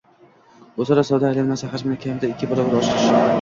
o‘zaro savdo aylanmasi hajmini kamida ikki barobar oshirish;